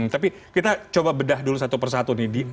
tapi kita coba bedah dulu satu persatu nih